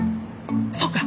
そうか。